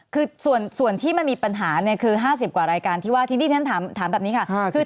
คือส่วนที่มันมีปัญหาเนี่ยคือ๕๐กว่ารายการที่ว่าทีนี้ฉันถามแบบนี้ค่ะ